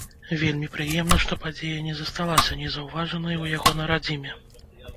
Вельмі прыемна, што падзея не засталася незаўважанай у яго на радзіме.